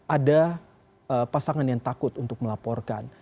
ada pasangan yang takut untuk melaporkan